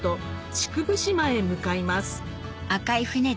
竹生島へ向かいます